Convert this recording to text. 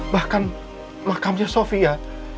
bahkan makamnya sofia